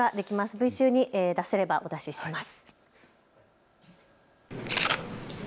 Ｖ中に出せれば出します。